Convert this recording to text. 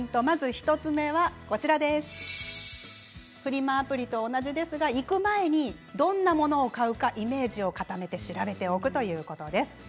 １つ目はフリマアプリと同じですが行く前にどんなものを買うかイメージを固めて調べておくということです。